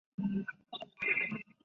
此后跟从张辅征战交址。